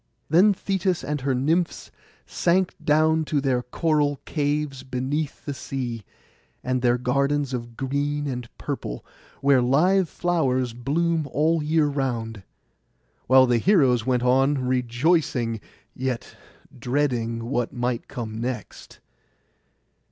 Then Thetis and her nymphs sank down to their coral caves beneath the sea, and their gardens of green and purple, where live flowers bloom all the year round; while the heroes went on rejoicing, yet dreading what might come next.